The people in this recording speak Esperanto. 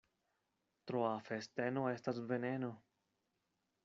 Troa festeno estas veneno.